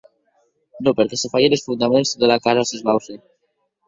Non, perque se falhen es fondaments, tota era casa s'esbauce.